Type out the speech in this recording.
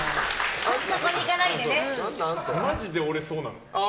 マジで俺そうなの。